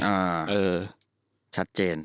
อ่าชัดเจน